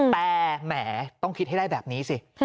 แต่แหมต้องคิดให้ได้แบบนี้สิ